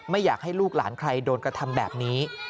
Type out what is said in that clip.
ไม่อยากให้ลูกหลานใครโดนกระทำแบบนี้